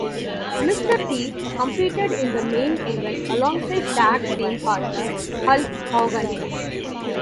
Mr. T competed in the main event alongside tag team partner, Hulk Hogan.